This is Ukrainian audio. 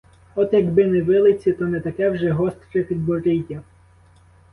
От якби не вилиці та не таке вже гостре підборіддя.